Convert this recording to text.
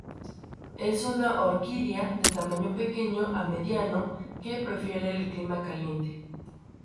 Es una orquídea de tamaño pequeño a mediano, que prefiere el clima caliente.